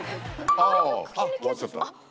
あぁ終わっちゃった。